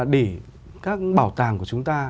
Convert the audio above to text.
để các bảo tàng của chúng ta